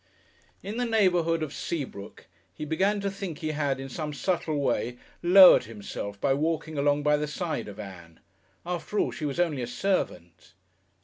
In the neighbourhood of Seabrook he began to think he had, in some subtle way, lowered himself by walking along by the side of Ann.... After all, she was only a servant.